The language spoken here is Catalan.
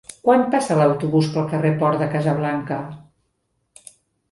Quan passa l'autobús pel carrer Port de Casablanca?